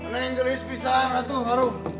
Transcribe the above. neng gelis pisang atuh aduh